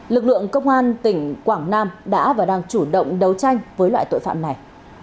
lực lượng công an tỉnh quảng nam đã và đang chủ động đấu tranh với loại tội phạm này